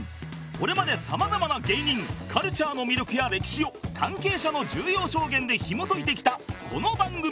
これまで様々な芸人カルチャーの魅力や歴史を関係者の重要証言で紐解いてきたこの番組